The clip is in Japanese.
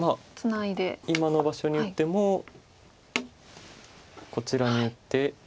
今の場所に打ってもこちらに打って。